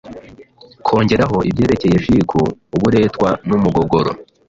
kongeraho ibyerekeye shiku, uburetwa n'umugogoro.